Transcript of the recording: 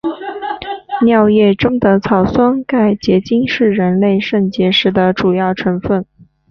尿液中的草酸钙结晶是人类肾结石的主要成分。